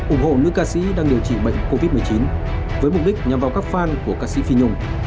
ủng hộ nữ ca sĩ đang điều trị bệnh covid một mươi chín với mục đích nhằm vào các fan của ca sĩ phi nhung